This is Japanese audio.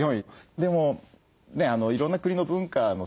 でもいろんな国の文化の差